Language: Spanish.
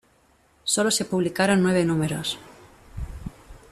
Sólo se publicaron nueve números.